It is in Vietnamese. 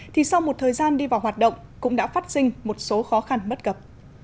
thì sau một thời gian đi vào hoạt động cũng đã phát sinh một số khó khăn bất cập